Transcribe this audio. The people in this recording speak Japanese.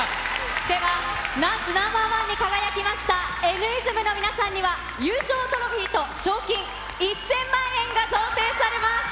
では、ダンスＮｏ．１に輝きましたＮ’ｉｓｍの皆さんには、優勝トロフィーと、賞金１０００万円が贈呈されます。